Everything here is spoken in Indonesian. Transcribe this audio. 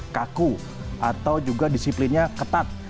kaku atau juga disiplinnya ketat